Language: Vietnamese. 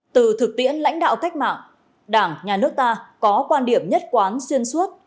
từ thực tiễn lãnh đạo cách mạng đảng nhà nước ta có quan điểm nhất quán xuyên suốt